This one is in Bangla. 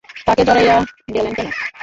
তাকে জড়াইয়া গেলেন কেন?